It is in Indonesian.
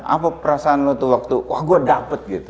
apa perasaan lo tuh waktu wah gue dapet gitu